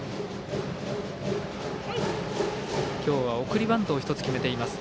今日は送りバントを１つ決めています。